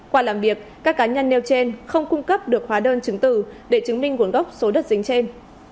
qua làm việc các cá nhân nêu trên không cung cấp được hóa đơn chứng tử để chứng minh nguồn gốc số đất dính trên